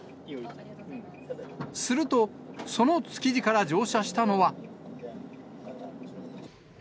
すると、その築地から乗車したのは。